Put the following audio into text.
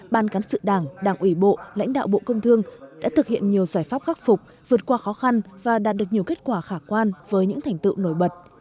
ban cán sự đảng đảng ủy bộ lãnh đạo bộ công thương đã thực hiện nhiều giải pháp khắc phục vượt qua khó khăn và đạt được nhiều kết quả khả quan với những thành tựu nổi bật